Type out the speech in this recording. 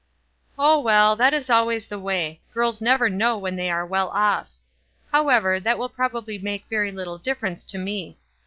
• "Oh, well, that is always the way. Girls never know when they are well off. However, that will probably make very little difference to me.